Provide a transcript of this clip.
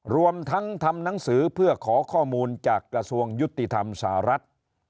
รวมทั้งทำหนังสือเพื่อขอข้อมูลจากกระทรวงยุติธรรมสหรัฐ